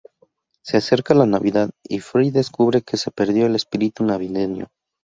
Se acerca la navidad, y Fry descubre que se perdió el espíritu navideño.